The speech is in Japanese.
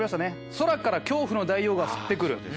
「空から恐怖の大王が降ってくる」。